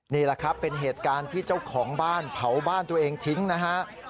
นี่แหละครับเป็นเหตุการณ์ที่เจ้าของบ้านเผาบ้านตัวเองทิ้งนะฮะ